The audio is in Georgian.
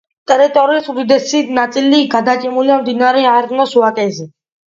ტერიტორიის უდიდესი ნაწილი გადაჭიმულია მდინარე არნოს ვაკეზე.